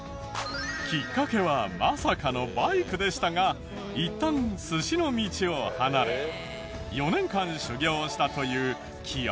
きっかけはまさかのバイクでしたがいったん寿司の道を離れ４年間修業をしたという気合の入りよう。